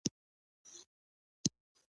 پخپله یې هم د ساتنې او ژغورنې هڅه وکړي.